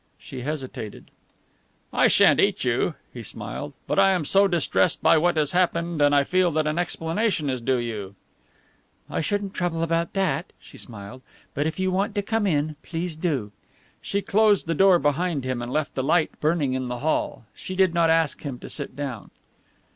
She hesitated. "I shan't eat you," he smiled, "but I am so distressed by what has happened and I feel that an explanation is due to you." "I shouldn't trouble about that," she smiled, "but if you want to come in, please do." She closed the door behind him and left the light burning in the hall. She did not ask him to sit down.